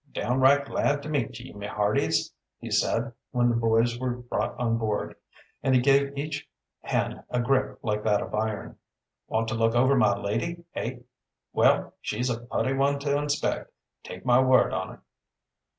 "Downright glad to meet ye, my hearties," he said, when the boys were brought on board. And he gave each hand a grip like that of iron. "Want to look over my lady, eh? Well, she's a putty one to inspect, take my word on't."